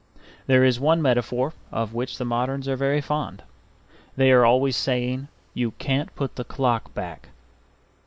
There is one metaphor of which the moderns are very fond; they are always saying, "You can't put the clock back."